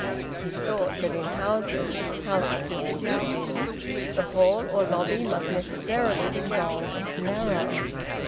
He thought that in houses (houses to be lived in) the hall or lobby must necessarily be long and narrow.